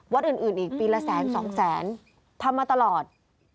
อื่นอีกปีละแสนสองแสนทำมาตลอด